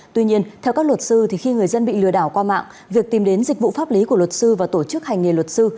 tuy nhiên theo các luật sư khi người dân bị lừa đảo qua mạng việc tìm đến dịch vụ pháp lý của luật sư và tổ chức hành nghề luật sư